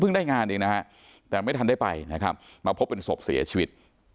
ได้งานเองนะฮะแต่ไม่ทันได้ไปนะครับมาพบเป็นศพเสียชีวิต